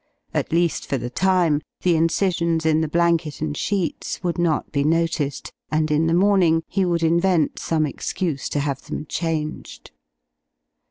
At least for the time, the incisions in the blanket and sheets would not be noticed, and in the morning he would invent some excuse to have them changed.